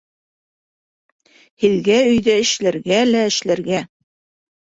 Һеҙгә өйҙә эшләргә лә эшләргә